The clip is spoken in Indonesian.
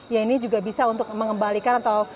ya ini juga bisa untuk mengembalikan atau